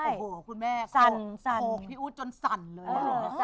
โอ้โหคุณแม่โขกพี่อู๋จนสั่นเลย